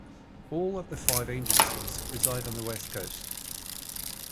All of the five agencies reside on the west coast.